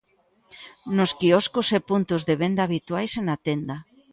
Nos quioscos e puntos de venda habituais e na tenda.